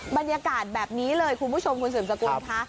บรรยากาศแบบนี้เลยคุณผู้ชมคุณสืบสกุลค่ะ